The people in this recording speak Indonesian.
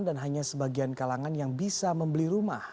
dan hanya sebagian kalangan yang bisa membeli rumah